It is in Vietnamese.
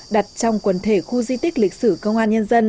đặt trong quần thể khu di tích lịch sử công an nhân dân